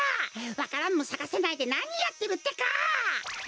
わか蘭もさかせないでなにやってるってか！